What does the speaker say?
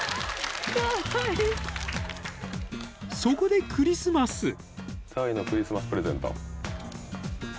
［そこでクリスマス］